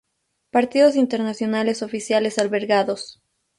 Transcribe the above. Partidos Internacionales oficiales albergados